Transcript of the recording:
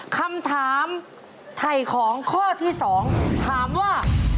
คำถามไถ่ของข้อที่๒ถามว่า